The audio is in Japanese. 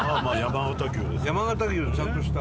山形牛ちゃんとした。